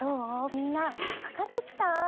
みんなわかってきた？